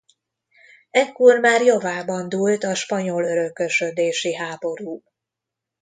Ekkor már javában dúlt a spanyol örökösödési háború.